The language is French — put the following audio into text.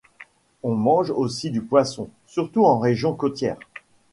On mange aussi du poisson, surtout en régions côtières.